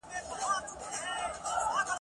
لکه سلګۍ درته راغلی یم پایل نه یمه !.